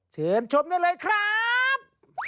เชิญชมได้เลยครับ